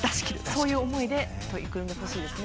そういう思いで取り組んでほしいです。